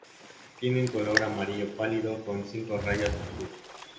Tiene un color amarillo pálido con cinco rayas oscuras.